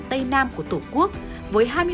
tây nam của tổ quốc với hai mươi bảy